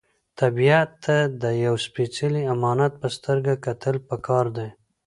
طبیعت ته د یو سپېڅلي امانت په سترګه کتل پکار دي.